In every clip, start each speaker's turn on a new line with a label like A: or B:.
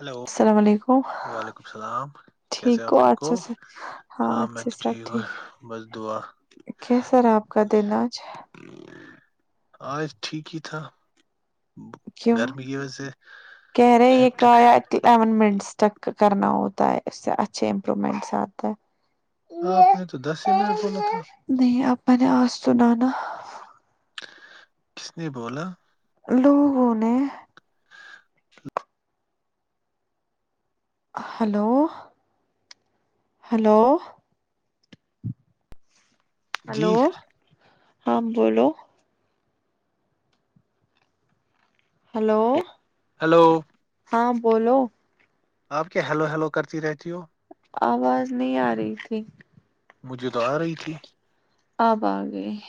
A: Hello
B: السلام علیکم
A: وعلیکم السلام کیسے آپ ٹھیک ہو- ہاں میں
B: اچھے
A: تو
B: سے، سب
A: ٹھیک ہ بس دعا-
B: ہے کیسا رہا آپ کا دن آج
A: آج ٹھیک ہی تھا-
B: کیوں
A: گرمی کی وجہ
B: کہہ رہے یہ
A: سےیکٹ-
B: الیون منٹس تک کرن اچھ امپرومنٹس آ ہے-
A: آپ نے تو دس ہی منٹ بولا تھا-
B: نہیں اپ نے آس سناا-
A: کس نے بولا?
B: لوگوں نے- ہلو -ہلو
A: جی
B: ہلو ہاں بولو ہلو-
A: ہلو-
B: ہاں بولو
A: آپ کیا ہیلو- ہیلو کرتی رہتی ہو-
B: آواز نہیں آ رہی تھی-
A: مجھے تو آ رہی تھی
B: آبا آگئی-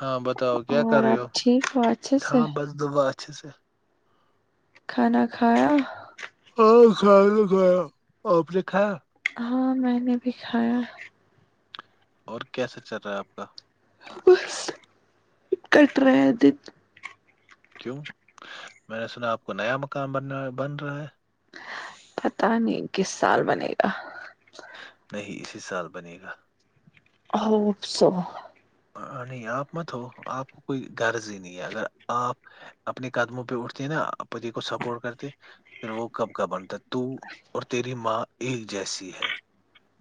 A: ہاں بتاؤ کیا کر
B: اور
A: رہے، ہو
B: آپ ٹھیک ہو اچھے سے
A: ہاں بس دبا اچھے سے-
B: کھانا کھایا?
A: ہاں خل گ ا اپیکھا-
B: ہاں، میں نے بھی کھایا-
A: اور کیسا چل رہا ہے آپ کا-
B: بس کٹرا دن
A: کیوں، میں نے سنا آپ کو نیا مکان بن- بن رہا ہے
B: پتا نہیں کس سال بنے گا-
A: نہیں اسی سال بنے گا
B: ا اپ سو
A: نہیں آپ مت ہو آپ کو کوئی غرض ہی نہیں ہے اگر آپ اپنے قدموں پہ اٹھتے ہیں نا پتی کو سپورٹ کرتے- پھر وہ کب کاب بنتا تو اور تیری ماں ایک جیسی ہے-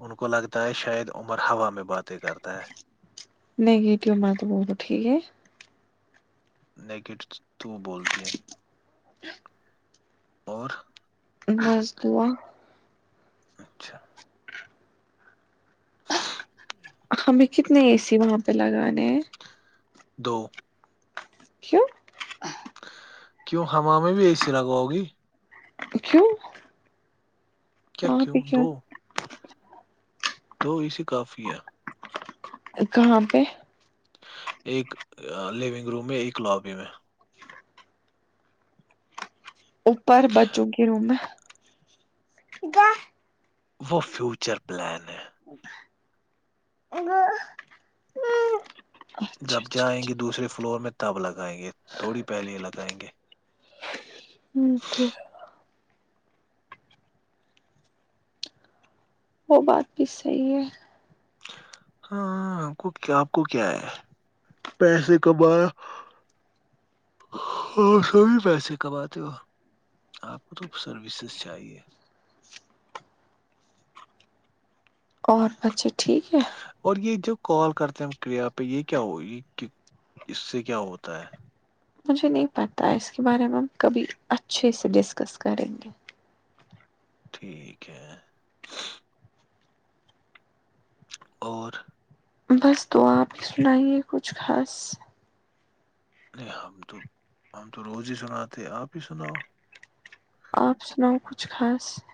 A: ان کو لگتا ہے شاید عمر ہوا میں باتیں کرتا ہے
B: نہیںگیٹیو مر تو بہت ٹھیک ہے
A: نگیٹو تو بولتی ہے اور
B: ز سس دوہ [unintelligible]
A: اچھا [inaudible] ہ [inaudible]
B: ہمیں کتنے اے سی وہاں پہ لگانے ہیں
A: دو [inaudible]
B: کی [inaudible]
A: کیوں ہم میں بھی اے سی لگواؤں گی
B: دکو [unintelligible]
A: کیا کیوں دو دو ایی کافی ہے
B: کہاں پہ [unintelligible]
A: ایک لیونگ روم میں ایک لابی میں
B: اوپر بچوں کی روم میں گائے
A: وہ فیوچر پلان ہے [unintelligible]
B: ا [inaudible] ہوں
A: جب جائیں گے دوسرے فلور میں تب لگائیں گے تھوڑی پہلیے لگائیں گے
B: جکھر [unintelligible] وہ بات بھی صحیح ہے
A: ہاں آ کو کیا آپ کو کیا ہے [unintelligible] پیسے کمایا اور س بھی پیسے کماتے ہو آپ کو تو سروسز چاہیے
B: اور اچھا ٹھیک ہے
A: اور یہ جوب کال کرتے ہیں ہم کریا پہ یہ کیا ہو یہ اس سے کیا ہوتا ہے
B: مجھے نہیں پتا ہے اس کے بارے میں ہم کبھی اچھے سے ڈسکس کریں گے
A: ٹھیک ہے اور [inaudible]
B: بس تو آپ ہی سنائیے کچھ خاص
A: نہیں ہم تو ہم تو روز ہی سناتے آپ ہی سناؤ
B: آپ سناؤ کچھ خاص [unintelligible]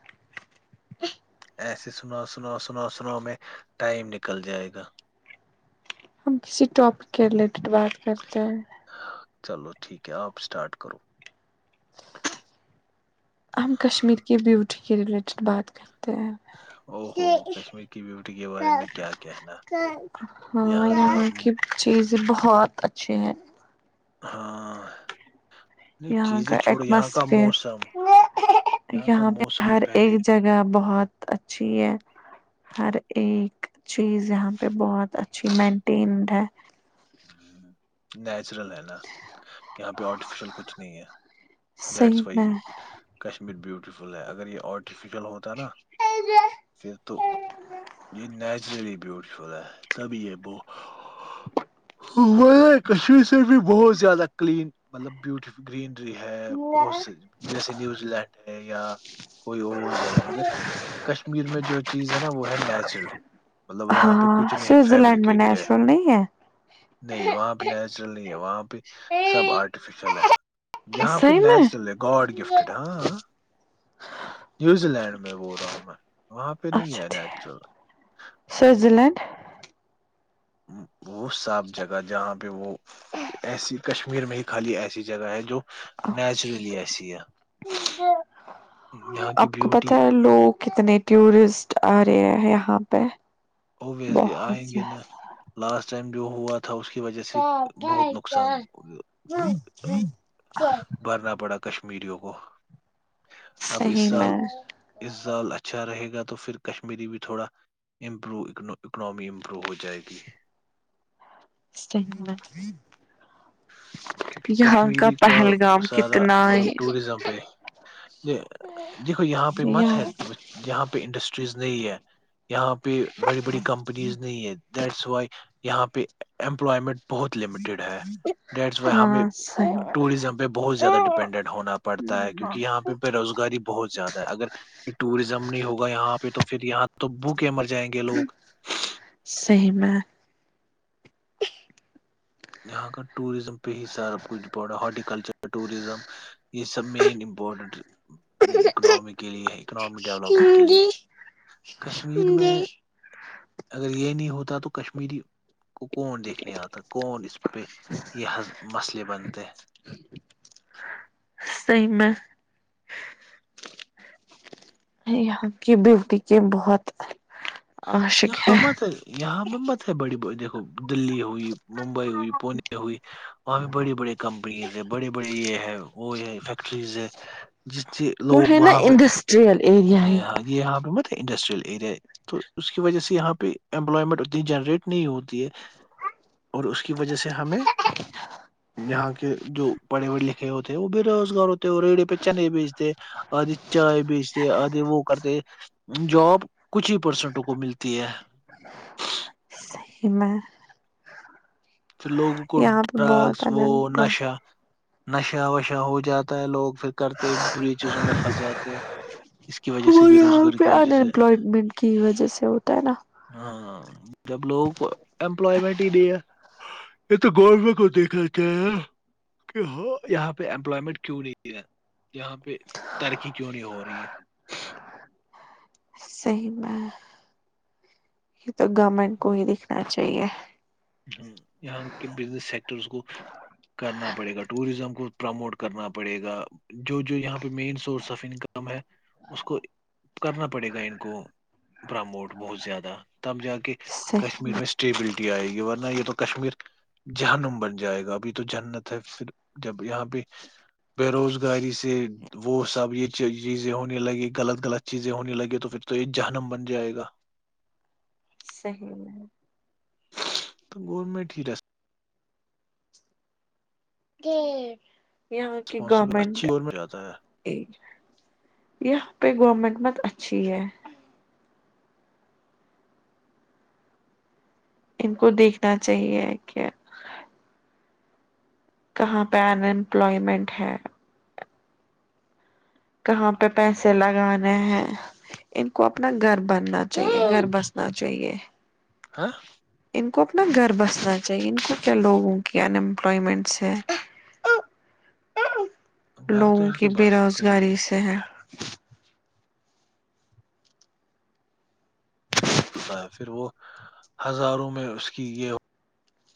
A: ایسے سناؤ سناؤ سناو سنو میں ٹائم نکل جائے گا
B: ہم کسی ٹاپک کے ریلیٹڈ بات کرتے ہیں
A: چلو ٹھیک ہے آپ اسٹارٹ کرو
B: ہم کشمیر کی بیوٹی کے ریلیٹیڈ بات کرتے ہیں
A: او ہو
B: [unintelligible]
A: کشمیر کی بیوٹی کے بارے میں کیا کہنا
B: ج
A: یہاں کا
B: ہاں [unintelligible] چیز بہت اچھی ہے
A: ہاں نہیں
B: یہاں
A: چیزیں
B: کا
A: چھوڑو یہاں کا
B: ایٹماسفیئر
A: موسم یہاں کا موسم ہی پہلے
B: ج بہت اچھی ہے ہر ایک چیز یہاں پہ بہت اچھی مینٹینڈ ہے
A: نیچرل ہے نا [unintelligible] یہاں پہ آرٹیفیشیل کچھ نہیں ہے دیٹ
B: صحیح
A: و کشمیر بیوٹفل ہے اگر یہ آ [unintelligible] آرٹیفیشل ہوتا نا پھر تو یہ نیچرلی بی ہے تبھی یہ ب [unintelligible] کشیر سے بھی بہت زیادہ کلین مطلب بیوٹیفل [unintelligible] گرینری ہے بہت
B: میں
A: سے جیسے نیوزی لینڈ ہے یا کوئی اور جگہ مگر کشمیر میں جو چیز ہے نا وہ ہے نیچرل مطلب یہاں پہ کچھ نہیں فیبریکیٹڈ ہے
B: ی ہے
A: نہیں وہاں پہ نیچرل نہیں ہے وہاں پہ سب آرٹیفیشیل ہے یہاں پہ
B: صحیح میں
A: نیچرل ہے گاڈ گفٹیڈ ہاں نیوزی لینڈ میں بول رہا ہوں میں وہاں پہ نہیں ہےیا نیچرل
B: سوئزر لینڈ
A: وہ صاف جگہ جہاں پہ وہ ایسی کشمیر میں ہی خالی ایسی جگہ ہے جو نیچرلی ایسی ہے یہاں کی
B: آپ کو
A: بیوٹی
B: پتا ہے لوگ کتنے ٹورسٹ آ رہے یہاں پہ
A: ابویسلی
B: بہت
A: آئیں گے نا
B: زیادہ
A: لاسٹ ٹائم جو ہوا تھا اس کی وجہ سے بہت نقصان بھرنا پڑا کشمیریوں کو اب اس
B: صحیح
A: سال
B: میں
A: ا زال اچھا رہے گا تو پھر کشمیری بھی تھوڑا ام اکناممی امپروو ہو جائے گی
B: سی
A: کیونکہ کشمیری کا سارا
B: کتنا
A: مطلب ٹورزم پہ یہ دیکھو یہاں پہ مت ہے
B: یہاں
A: یہاں پہ انڈسٹریز نہیں ہے یہاں پہ بڑی بڑی کمپنیز نہیں ہے دیٹس وائی یہاں پہ ایمپلائیمینٹ بہت لیمیٹیڈ ہے ڈیش بائے
B: ہاں
A: ہمیں
B: صحیح
A: ٹوریجم پہ بہت زیادہ ڈپینڈینٹ ہونا پڑتا ہے کیونکہ
B: صحیح
A: یہاں پہ بے روزگاری بہت زیادہ ہے اگر یہ ٹوریزم نہیں ہوگا یہاں پہ تو پھر یہاں تو بھوکے مر جائیں گے گ لوگ
B: صحیح بات
A: یہاں کا ٹوریزم پہ ہی سارا کچھ بڑا ہارٹیکلچر ٹوریزم اس سب مین امپور ٹینٹ اکنامی کے لیے اکنامی ڈیولپمینٹ کے لیے کشمیر میں اگر یہ نہیں ہوتا تو کشمیری کون دیکھنے آتا کون اس پہ یہظ مسئلے بنتے ہیں
B: صحیح میں یہاں کی بیوٹی کے بہت
A: یہاں مت ہے یہاں ہم مت ہے بڑی ب دیکھو دلی ہوئی ممبئی ہوئی پونے ہوئی وہاں بھی بڑی بڑی کمپنیز ہے بڑے بڑے یہ ہے وہ یہ فیکٹریز ہے جس سے لوگ وہاں پہ
B: پر یہ یہی
A: یہاں یہاں پہ مت انڈسٹریل ایریا ہے اس کی وجہ سے یہاں پہ امپلائمینٹ اتنی جنریٹ نہیں ہوتی ہے اس کی وجہ سے ہمیں یہاں کے جو پڑے پڑھے لکھے ہوتے ہیں وہ بے روزگار ہوتے ہیں اور ریڈیو پہ چنے بیچتے چائے بیچتے آدے وہ کرتے جاب کچھ ہی پرسنٹوں کو ملتی ہے
B: مہ
A: پھر لوگوں کو
B: یہاں پہ
A: ڈرگس
B: بہت ان
A: وہ
B: امپلائڈ
A: نشہ نشہ وشا ہو جاتا ہے لوگ پھر کرتے بری چیزوں میں پھنس جاتے اس کی وجہ
B: وہ
A: سے بے
B: یہاں
A: روزگاری
B: پہ
A: کی وجہ سے
B: انیمپلویمنٹ کی وجہ سے ہوتا ہے نا
A: ہاں جب لوگ امپلائمینٹ ہی نہیں ہے یہ تو گورنمنٹ کو دیکھنا چاہیے نہ کی ہاں یہاں پہ امپلائمینٹ کیوں نہیں ہے نشہ وشا ہو جاتا ہے لوگ پھر کرتے بری چیزوں میں پھنس جاتے
B: صحیح میں یہ تو گورنمنٹ کو ہی دکھنا چاہیے
A: ہو یہاں کے بزنس سیکٹرس کو کرنا پڑے گا ٹوریزم کو پرا موڈ کرنا پڑے گا جو جو یہاں پہ مین سورس آف انکم ہے اس کو کرنا پڑے گا ان کو پراموٹ بہت زیادہ تب جا کے
B: صحیح
A: کشمیر میں اسٹیبلٹی آئے گی بٹ نہیں تو کشمیر جہنم بن جائے گا ابھی تو جنت ہے پھر جب یہاں پہ بے روزگاری سے وہ سب یہ چیزیں ہونے لگی غلط غلط چیزیں ہونے لگی تو پھر تو یہ جہنم بن جائے گا
B: صحیح میں
A: تو گورمنٹ ہی رہ س
B: یہاں کی
A: ریسپانسبل
B: گورنمنٹ
A: اچھی جاتا ہے
B: [unintelligible] یہاں پہ گورمنٹ مت اچھی ہے ان کو دیکھنا چاہیے کیا کہاں پہ انمپلائمینٹ ہے کہاں پہ پیسے لگانے ہیں ان کو اپنا گھر بننا چاہیے گھر بسنا چاہیے
A: ہاں [unintelligible]
B: ان کو اپنا گھر بسنا چاہیے ان کو کیا لوگوں کی انمپلائمینٹس ہے
A: گھر تو
B: لوگوں
A: ان
B: کی
A: کے
B: بے
A: بستے ہی
B: روزگاری سے ہے
A: ہوتا ہے پھر وہ ہزاروں میں اس کی یہ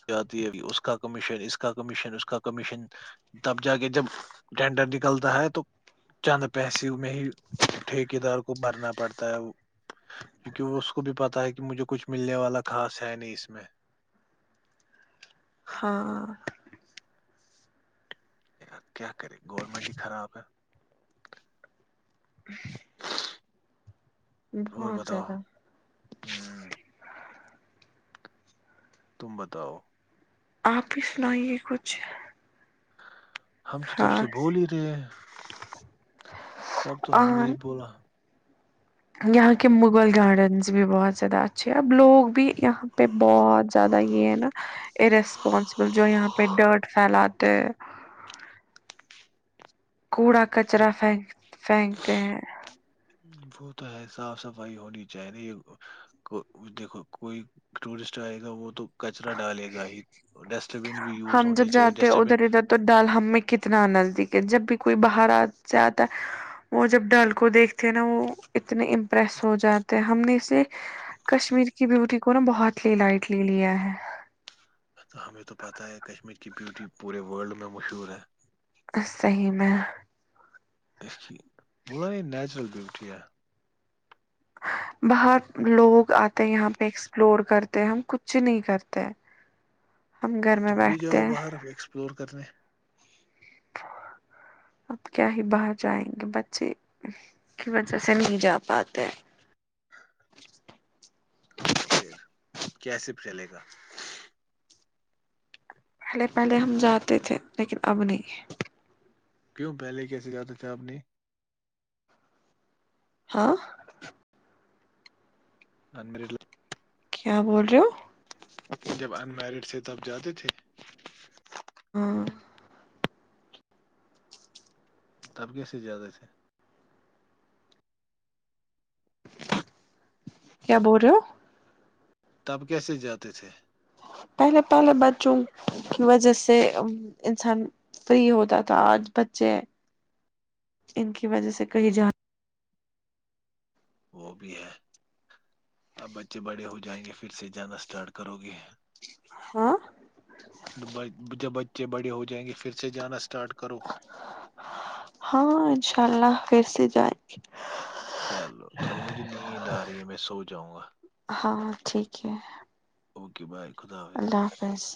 A: جاتی ہے اس کا کمیشن اس کا کمیشن اس کا کمیشن تب جا کے جب ٹینڈر نکلتا ہے تو چند پیسے میں ہی ٹھیکیدار کو بھرنا پڑتا ہے وہ کیونکہ وہ اس کو بھی پتا ہے کہ مجھے کچھ ملنے والا خا ہے نہیں اس میں-
B: ہاں-
A: کیا کرے گورنمنٹ ہی خراب ہے
B: ہ [inaudible]
A: اور
B: بہت
A: بتاؤ
B: زیادہ
A: ہوں تب توؤ
B: آپ ہی سنائیے کچھ
A: ہم تو تب سے
B: خاص
A: بول ہی رہے ہیں سب تو ہم نے ہی بولا
B: یہاں کے مغل گارڈنس بھی بہت زیادہ اچھے ہیں اب لوگ بھی یہاں پہ بہت زیادہ یہ ہے نا اسپانسبل جو یہاں پہ ڈرٹ پھیلاتے کوڑا کچرا پھینک پھینکتے ہیں
A: ج [inaudible] وہ تو ہے صاف صفائی ہونی چاہیے یہ دیکھو کوئی ٹورسٹ آئے گا وہ تو کچرا ڈالے گا ہی ڈسٹ بین بھی یوز
B: ہم جب
A: ہونی چاہیے
B: جاتے
A: ڈسٹ بن
B: ادھر ادھر تو ڈال ہم میں کتنا نزدیک ہے جب بھی کوئی باہر سے آتا ہے وہ جب ڈل کو دیکھتے نا وہ اتنے امپریس ہو جاتے ہیں ہم نے اسے کشمیر کی بیوٹی کو نا بہت ل لائٹ لے لیا ہے-
A: تو ہمیں تو پتہ ہے کشمیر کی بیوٹی پورے ورلڈ میں مشہور ہے
B: صحیح میں
A: ب نیچرل بیوٹیں
B: بہت لوگ آتے یہاں پہ ایکسپلور کرتے ہم کچھ نہیں کرتے ہم گھر میں
A: تم بھی جاؤ
B: بیٹھتے ہیں
A: باہر اکسپلور کرنے
B: اب کیا ہی باہر جائیں گے بچے کی وجہ سے نہیں جا پاتے
A: تو پھر کیسے چلے گا
B: پہلے پہلے ہم جاتے تھے لیکن اب نہیں
A: کیوں پہلے کیسے جاتا تھا آپ نے
B: ہاں
A: [unintelligible]
B: کیا بول رہے ہو
A: جب ان میرڈ تھے تب جاتے تھے
B: ہاں
A: تب کیسے زیادہ تھے
B: کیا بول رہے ہو
A: تب کیسے جاتے تھے
B: پہلے پہلے بچوں کی وجہ سے انسان فحیح ہوتا تھا آج بچے ان کی وجہ سے کہیں جا
A: وہ بھی ہے اب بچے بڑے ہو جائیں گے پھر سے جانا اسٹارٹ کرو گے-
B: ہاں
A: جب بچے بڑے ہو جائیں گے پھر سے جانا اسٹارٹ کرو
B: ہاں انشاء اللہ پھر سے جائیں گے
A: چلو چلو مجھے نیند آ رہی ہے میں سو جاؤں گا
B: ہاں ٹھیک ہے
A: اوکے بائے خدا حافظ
B: اللہ حافظ